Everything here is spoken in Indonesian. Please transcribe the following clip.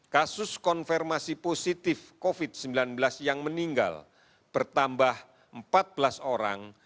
kasus konfirmasi positif covid sembilan belas yang meninggal bertambah empat belas orang